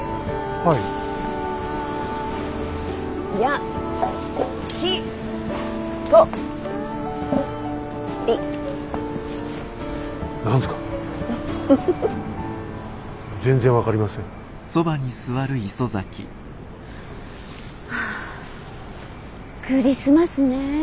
はあクリスマスねえ。